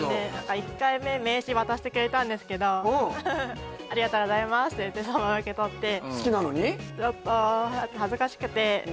１回目名刺渡してくれたんですけどありがとうございますって言ってそのまま受け取って好きなのに？